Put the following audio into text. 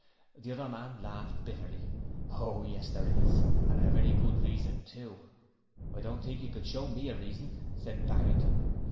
The other man laughed bitterly. 'Oh yes, there is, and a very good reason too.' 'I don't think you could show me a reason,' said Barrington.